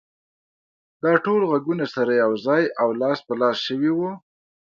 دا ټول غږونه سره يو ځای او لاس په لاس شوي وو.